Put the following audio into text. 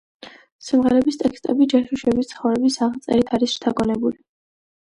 სიმღერების ტექსტები ჯაშუშების ცხოვრების აღწერით არის შთაგონებული.